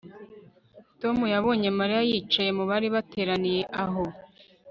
Tom yabonye Mariya yicaye mu bari bateraniye aho